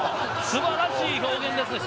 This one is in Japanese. すばらしい表現ですね！